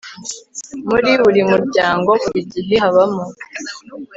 muri buri muryango, buri gihe habamo